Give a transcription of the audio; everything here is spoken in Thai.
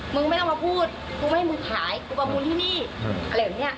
มึงไม่ต้องมาพูดกูไม่ให้มึงขายกูประมูลที่นี่อะไรแบบนี้